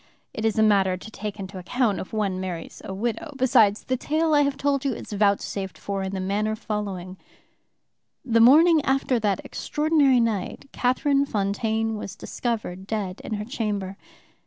It is a matter to take into account if one marries a widow. Besides, the tale I have told you is vouchsafed for in the manner following: "The morning after that extraordinary night Catherine Fontaine was discovered dead in her chamber.